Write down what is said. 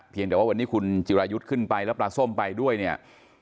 แต่ว่าวันนี้คุณจิรายุทธ์ขึ้นไปแล้วปลาส้มไปด้วยเนี่ย